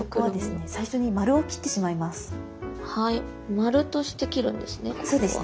丸として切るんですね